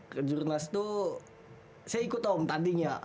kejurnas tuh saya ikut om tandingnya